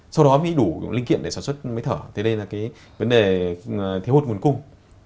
sau đó mới đủ linh kiện để sản xuất máy thở thì đây là cái vấn đề thiếu hụt nguồn cung